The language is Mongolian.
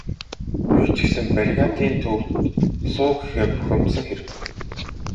Юу ч гэсэн бригадын төвд суу гэхээр нь бухимдсан хэрэг.